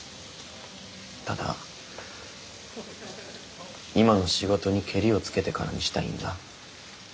ただ今の仕事にけりをつけてからにしたいんだ。